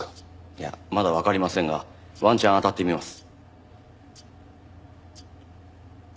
いやまだわかりませんがワンチャンあたってみます。